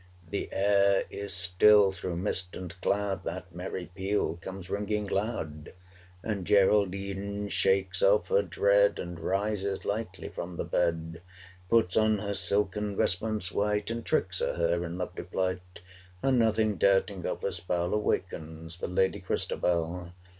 The air is still! through mist and cloud 360 That merry peal comes ringing loud; And Geraldine shakes off her dread, And rises lightly from the bed; Puts on her silken vestments white, And tricks her hair in lovely plight, 365 And nothing doubting of her spell Awakens the lady Christabel.